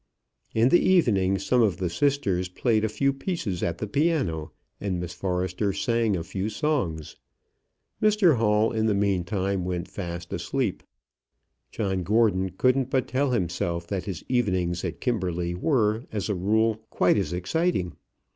In the evening some of the sisters played a few pieces at the piano, and Miss Forrester sang a few songs. Mr Hall in the meantime went fast asleep. John Gordon couldn't but tell himself that his evenings at Kimberley were, as a rule, quite as exciting.